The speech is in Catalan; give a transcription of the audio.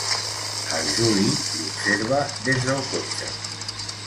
El Juli l'observa des del cotxe.